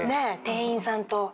店員さんと。